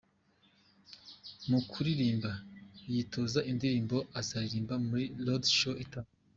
Mu kuririmba, yitoza indirimbo azaririmba muri Roadshow itaha.